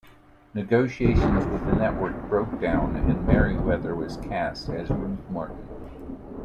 Negotiations with the network broke down and Meriwether was cast as Ruth Martin.